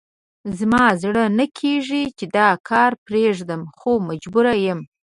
زما زړه نه کېږي چې دا کار پرېږدم، خو مجبور یم.